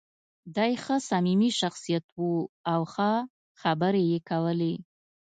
دی ښه صمیمي شخصیت و او ښه خبرې یې کولې.